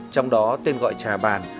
trong đó tên gọi trà bàn